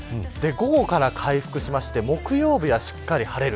午後から回復して木曜日はしっかり晴れる